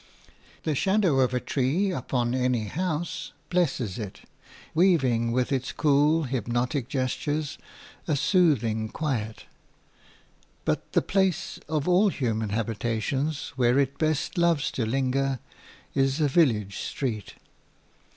The shadow of a tree upon any house blesses it, weaving with its cool, hypnotic gestures a soothing quiet; but the place, of all human habitations, where it best loves to linger is a village street.